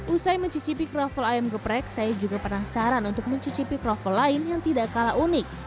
usai mencicipi kroffel ayam geprek saya juga penasaran untuk mencicipi kroffel lain yang tidak kalah unik